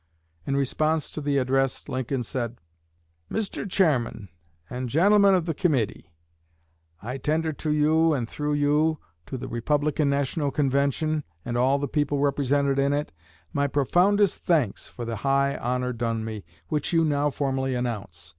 In response to the address, Lincoln said: MR. CHAIRMAN AND GENTLEMEN OF THE COMMITTEE: I tender to you and through you to the Republican National convention, and all the people represented in it, my profoundest thanks for the high honor done me, which you now formally announce.